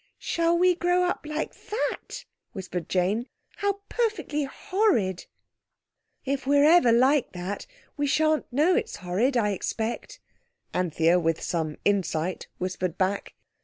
"Shall we grow up like that?" whispered Jane. "How perfectly horrid!" "If we're ever like that, we sha'nn't know it's horrid, I expect," Anthea with some insight whispered back.